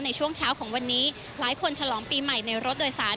ในช่วงเช้าของวันนี้หลายคนฉลองปีใหม่ในรถโดยสาร